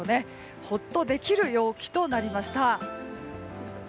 ホッとできる陽気となりました。